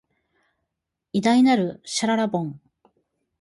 偉大なる、しゅららぼん